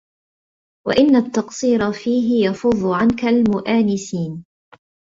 وَإِنَّ التَّقْصِيرَ فِيهِ يَفُضُّ عَنْك الْمُؤَانِسِينَ